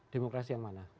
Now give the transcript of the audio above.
demokrasi yang mana